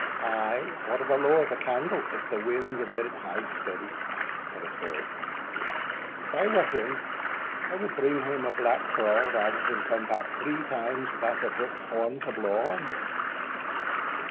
] "Ay, or the low of the candle, if the wind wad let it hide steady," said a third; "if I were him, I would bring hame a black craw, rather than come back three times without a buck's horn to blaw on."